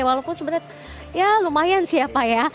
walaupun sebenarnya ya lumayan sih ya pak ya